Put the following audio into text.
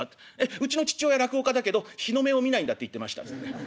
うちの父親落語家だけど日の目を見ないんだって言ってました」っつってね。